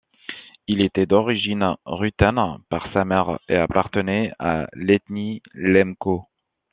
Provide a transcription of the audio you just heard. Il était d'origine ruthène par sa mère et appartenait à l'ethnie Lemko.